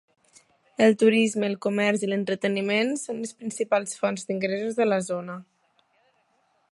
El turisme, el comerç i l'entreteniment son les principals fonts d'ingressos de la zona.